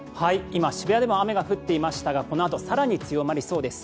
今、渋谷でも雨が降っていましたがこのあと更に強まりそうです。